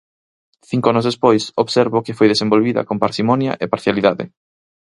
Cinco anos despois, observo que foi desenvolvida con parsimonia e parcialidade.